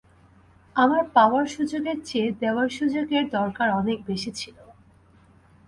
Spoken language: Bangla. আমার পাওয়ার সুযোগের চেয়ে দেওয়ার সুযোগের দরকার অনেক বেশি ছিল।